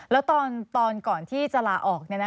แล้วตอนก่อนที่จะลาออก